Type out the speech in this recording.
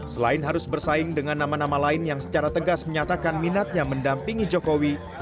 selain harus bersaing dengan nama nama lain yang secara tegas menyatakan minatnya mendampingi jokowi